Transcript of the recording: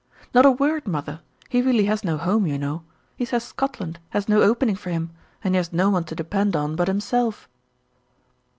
"Not a word, mother. He really has no home, you know. He says Scotland has no opening for him, and he has no one to depend on but himself."